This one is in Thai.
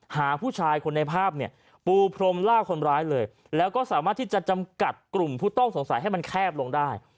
หาผู้ชายคนในภาพเนี่ยปูพรมล่าคนร้ายเลยแล้วก็สามารถที่จะจำกัดกลุ่มผู้ต้องสงสัยให้มันแคบลงได้